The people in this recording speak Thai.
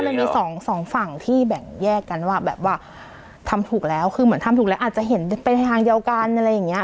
มันมีสองสองฝั่งที่แบ่งแยกกันว่าแบบว่าทำถูกแล้วคือเหมือนทำถูกแล้วอาจจะเห็นเป็นทางเดียวกันอะไรอย่างเงี้